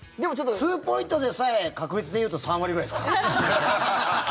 ツーポイントでさえ確率でいうと３割ぐらいですからね。